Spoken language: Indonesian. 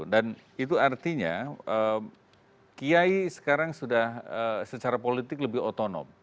dan itu artinya kiai sekarang sudah secara politik lebih otonom